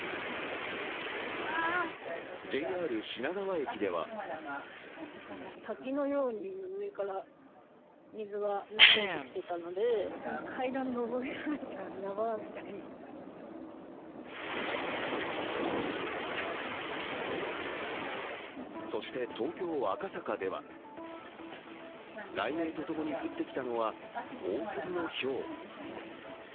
ＪＲ品川駅ではそして、東京・赤坂では雷鳴とともに降ってきたのは大粒のひょう。